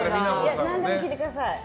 何でも聞いてください。